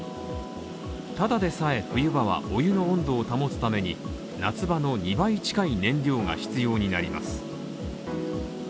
ただでさえ、冬場はお湯の温度を保つために、夏場の２倍近い燃料が必要になります。